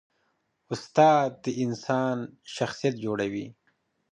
استاد د انسان شخصیت جوړوي.